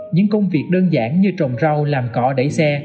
những công việc đơn giản như trồng rau làm cỏ đẩy xe